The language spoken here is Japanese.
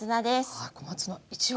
はい小松菜１ワ。